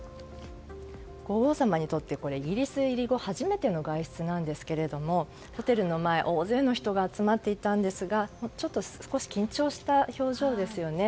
皇后さまにとってイギリス入り後初めての外出なんですがホテルの前、大勢の人が集まっていたんですが少し緊張した表情ですよね。